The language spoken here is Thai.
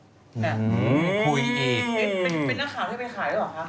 เป็นหน้าข่าวได้ไปขายหรือครับ